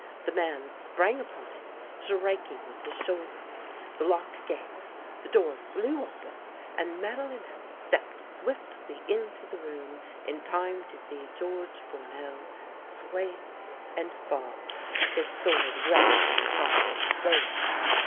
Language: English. The man sprang upon it, striking with his shoulder. The lock gave, the door flew open, and Madelinette stepped swiftly into the room, in time to see George Fournel sway and fall, his sword rattling on the hard oak floor.